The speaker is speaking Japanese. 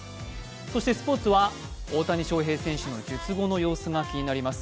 そしてスポーツは大谷翔平選手の術後の様子が気になります。